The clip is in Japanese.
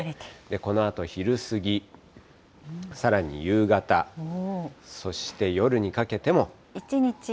このあと昼過ぎ、さらに夕方、そして夜にかけても。